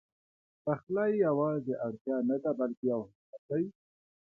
پخلی یواځې اړتیا نه ده، بلکې یو هنر دی.